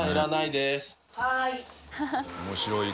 はい。